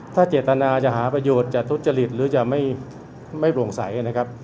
ถ้าเจตนาจะหาประโยชน์จะทุจริตหรือจะไม่โปร่งใสนะครับ